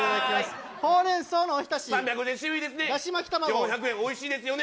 ４００円おいしいですね。